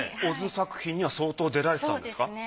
小津作品には相当出られてたんですか？